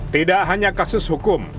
tidak hanya kasus hukum